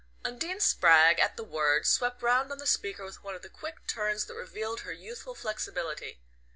Undine Spragg, at the word, swept round on the speaker with one of the quick turns that revealed her youthful flexibility.